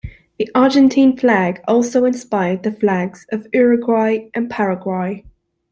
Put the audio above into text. The Argentine flag also inspired the flags of Uruguay and Paraguay.